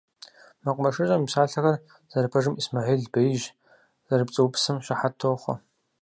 - МэкъумэшыщӀэм и псалъэхэр зэрыпэжым, Исмэхьил беижь зэрыпцӀыупсым щыхьэт дытохъуэ.